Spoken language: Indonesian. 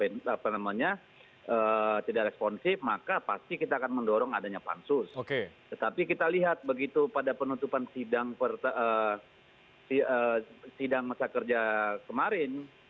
nah keberadaan pansus ini